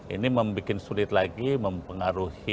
ini membuat sulit lagi mempengaruhi